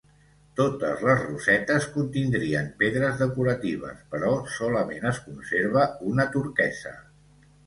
Totes les rosetes contindrien pedres decoratives, però solament es conserva una turquesa.